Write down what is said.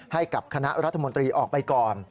ให้กับคณะรัฐมนตรีออกไปก่อน